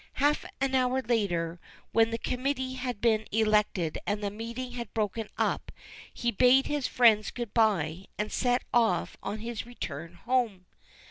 Half an hour later, when the committee had been elected and the meeting had broken up, he bade his friends good bye and set off on his return home.